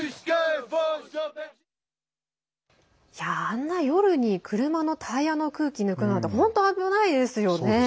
あんな、夜に車のタイヤの空気抜くなんて本当、危ないですよね。